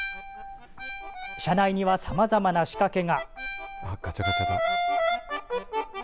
車内にはさまざまな仕掛けが。